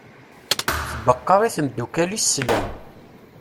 Tbeqqa i temddukal-is slam.